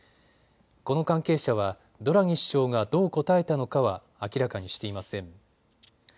この関係者はドラギ首相がどう答えたのかは明らかにしていません。